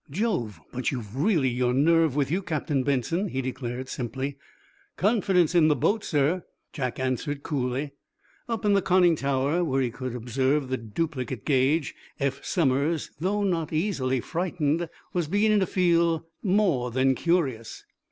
"Jove, but you've really your nerve with you, Captain Benson," he declared, simply. "Confidence in the boat, sir," Jack answered coolly. Up in the conning tower, where he could observe the duplicate gauge, Eph Somers, though not easily frightened, was beginning to feel more than curious.